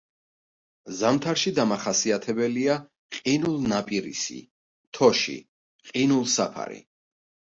ზამთარში დამახასიათებელია ყინულნაპირისი, თოში, ყინულსაფარი.